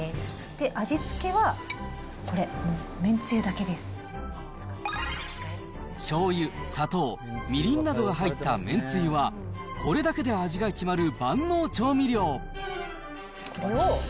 で、味付けはこれ、めんつゆだけしょうゆ、砂糖、みりんなどが入っためんつゆは、これだけで味が決まる万能調味料。